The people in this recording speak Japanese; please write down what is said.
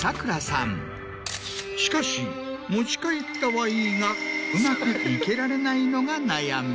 しかし持ち帰ったはいいがうまく生けられないのが悩み。